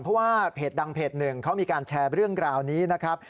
เพราะว่าเพจดังเพจหนึ่งเขามีการแชร์เรื่องราวนี้นะครับ